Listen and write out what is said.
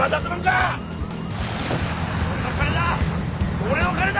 俺の金だ！